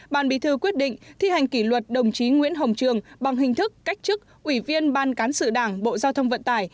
ban bí thư quyết định thi hành kỷ luật đồng chí nguyễn hồng trường bằng hình thức cách chức ủy viên ban cán sự đảng bộ giao thông vận tải